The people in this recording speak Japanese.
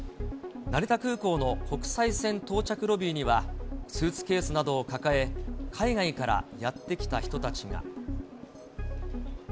成田空港の国際線到着ロビーには、スーツケースなどを抱え、海外からやって来た人たちが。